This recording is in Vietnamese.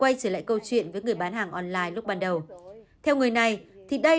hãy đi hỏi mấy cái cửa hàng ở hà nội mà bây giờ nhiều nơi nó cũng không có hàng rồi